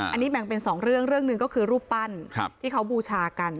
อันนี้แบ่งเป็นสองเรื่องเรื่องหนึ่งก็คือรูปปั้นที่เขาบูชากัน